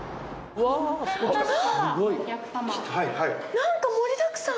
なんか盛りだくさん！